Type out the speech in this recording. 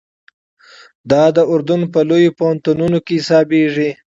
دا د اردن په لویو پوهنتونو کې حسابېږي.